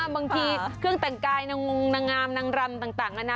บางทีเครื่องแต่งกายนางงนางงามนางรำต่างนะนะ